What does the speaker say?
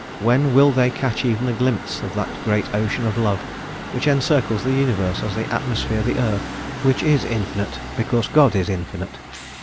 When will they catch even a glimpse of that great ocean of love which encircles the universe as the atmosphere the earth, which is infinite because God is infinite?